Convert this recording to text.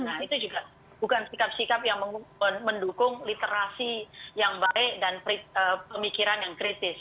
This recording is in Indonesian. nah itu juga bukan sikap sikap yang mendukung literasi yang baik dan pemikiran yang kritis